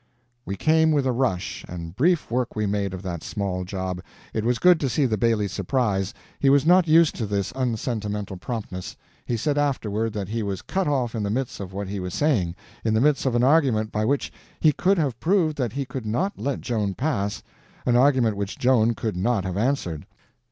We came with a rush, and brief work we made of that small job. It was good to see the Bailly's surprise. He was not used to this unsentimental promptness. He said afterward that he was cut off in the midst of what he was saying—in the midst of an argument by which he could have proved that he could not let Joan pass—an argument which Joan could not have answered.